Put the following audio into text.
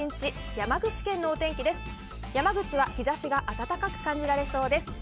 山口は日差しが暖かく感じられそうです。